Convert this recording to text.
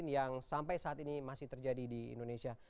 yang sampai saat ini masih terjadi di indonesia